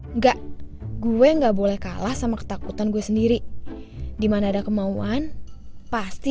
enggak gue nggak boleh kalah sama ketakutan gue sendiri dimana ada kemauan pasti dia akan menangis